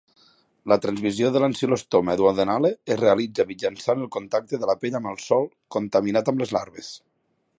La transmissió de l'Ancylostoma duodenale es realitza mitjançant el contacte de la pell amb el sòl contaminat amb les larves.